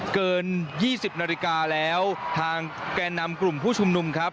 เกิน๒๐นาฬิกาแล้วทางแก่นำกลุ่มผู้ชุมนุมครับ